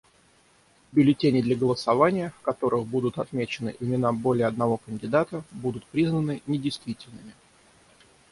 Бюллетени для голосования, в которых будут отмечены имена более одного кандидата, будут признаны недействительными.